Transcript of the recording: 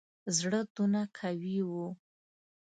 زړه دونه قوي وو.